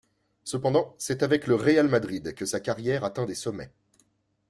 Cependant c'est avec le Real Madrid que sa carrière atteint des sommets.